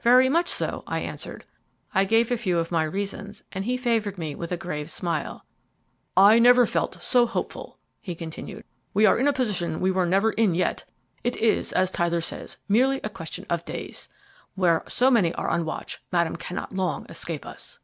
"Very much so," I answered. I gave a few of my reasons, and he favoured me with a grave smile. "I never felt so hopeful," he continued; "we are in a position we were never in yet. It is, as Tyler says, merely a question of days. Where so many are on the watch, Madame cannot long escape us."